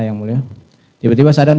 yang mulia tiba tiba sadar